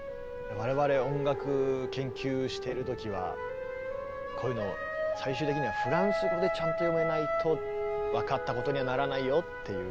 我々音楽研究してる時はこういうのを最終的にはフランス語でちゃんと読めないと分かったことにはならないよって。